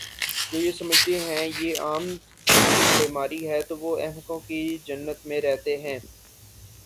جو یہ سمجھتے ہیں یہ عام سی بیماری ہے تو وہ احمقوں کی جنت میں رہتے ہیں